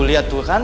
liat tuh kan